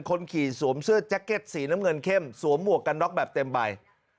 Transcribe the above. คนขี่สวมเสื้อแจ็คเก็ตสีน้ำเงินเข้มสวมหมวกกันน็อกแบบเต็มใบ